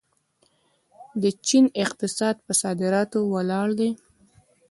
د چین اقتصاد په صادراتو ولاړ دی.